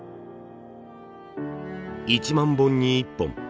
１万本に１本。